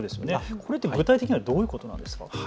これは具体的にどういうことですか。